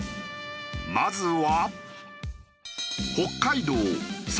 まずは。